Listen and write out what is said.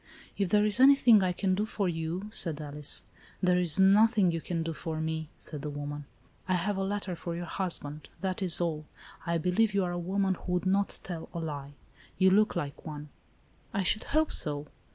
"If there is anything I can do for you, —" said Alice. " There is nothing you can do for me," said the woman." I have a letter for your husband, that is all. I believe you are a woman who would not tell a lie. You look like one." "I should hope so."